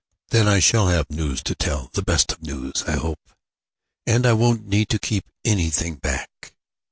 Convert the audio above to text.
Then, I shall have news to tell, the best of news, I hope; and I won't need to keep anything back.